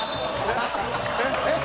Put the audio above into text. えっ？